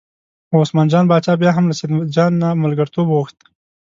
خو عثمان جان باچا بیا هم له سیدجان نه ملګرتوب وغوښت.